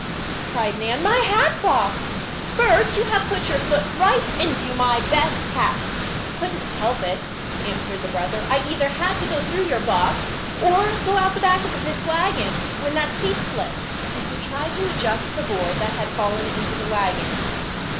cried Nan, "my hatbox! Bert you have put your foot right into my best hat!" "Couldn't help it," answered the brother; "I either had to go through your box or go out of the back of this wagon, when that seat slipped," and he tried to adjust the board that had fallen into the wagon.